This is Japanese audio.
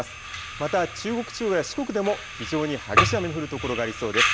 また中国地方や四国でも非常に激しい雨の降る所がありそうです。